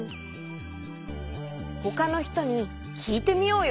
ほかのひとにきいてみようよ。